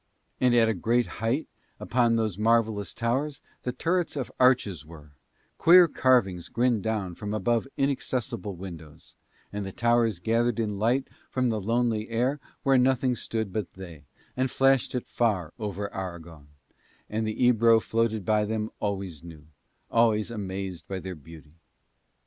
And at great height upon those marvellous towers the turrets of arches were; queer carvings grinned down from above inaccessible windows; and the towers gathered in light from the lonely air where nothing stood but they, and flashed it far over Aragon; and the Ebro floated by them always new, always amazed by their beauty.